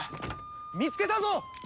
見つけたぞ！